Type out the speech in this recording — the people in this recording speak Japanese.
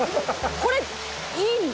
これいいんだ」